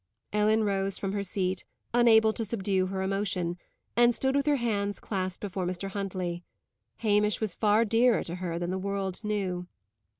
Ellen rose from her seat, unable to subdue her emotion, and stood with her hands clasped before Mr. Huntley. Hamish was far dearer to her than the world knew.